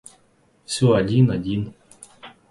Всё один, один.